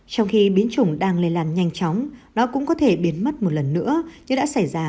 trong khi biến chủng đang lây lan nhanh chóng nó cũng có thể biến mất một lần nữa chứ đã xảy ra